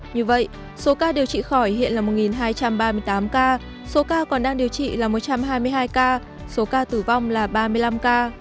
như vậy số ca điều trị khỏi hiện là một hai trăm ba mươi tám ca số ca còn đang điều trị là một trăm hai mươi hai ca số ca tử vong là ba mươi năm ca